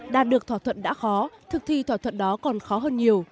đạt được thỏa thuận đã khó thực thi thỏa thuận đó còn khó hơn nhiều